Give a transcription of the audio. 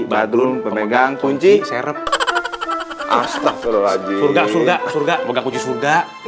badrun pemegang kunci serep astagfirullah surga surga surga mengakuji surga